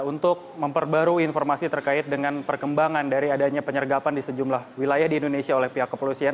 untuk memperbarui informasi terkait dengan perkembangan dari adanya penyergapan di sejumlah wilayah di indonesia oleh pihak kepolisian